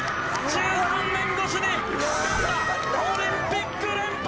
１３年越しにオリンピック連覇！